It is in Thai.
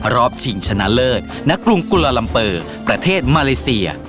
รอบชิงชนะเลิศณกรุงกุลาลัมเปอร์ประเทศมาเลเซีย